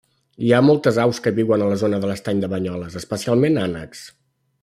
Hi ha moltes aus que viuen a la zona de l'estany de Banyoles, especialment ànecs.